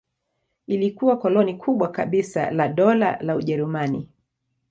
Ilikuwa koloni kubwa kabisa la Dola la Ujerumani.